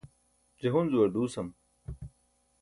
je Hunzu-ar duusam